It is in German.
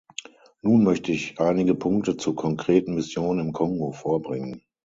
Nun möchte ich einige Punkte zur konkreten Mission im Kongo vorbringen.